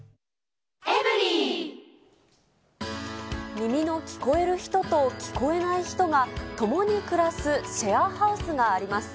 耳の聞こえる人と聞こえない人が、共に暮らすシェアハウスがあります。